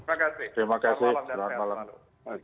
terima kasih selamat malam